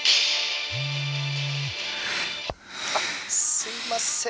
「すいません